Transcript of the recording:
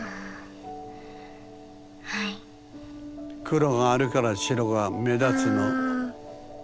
黒があるから白が目立つの。